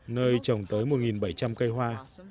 nơi trồng tới một bảy trăm linh cây hoa